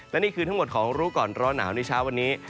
และนี่คือทั้งหมดของรู้ก่อนร้อนหนาวในเช้าวันนี้